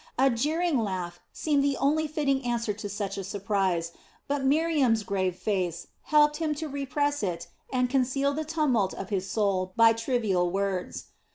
A jeering laugh seemed the only fitting answer to such a surprise, but Miriam's grave face helped him to repress it and conceal the tumult of his soul by trivial words.